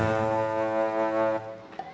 kok bang sodikin gak narik